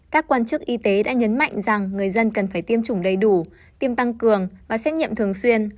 các quan chức y tế đã nhấn mạnh rằng người dân cần phải tiêm chủng đầy đủ tiêm tăng cường và xét nghiệm thường xuyên